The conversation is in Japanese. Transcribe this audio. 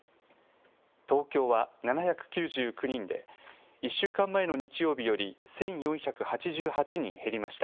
東京は７９９人で、１週間前の日曜日より１４８８人減りました。